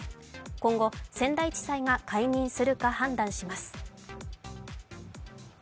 今後、仙台地裁が解任するか判断します。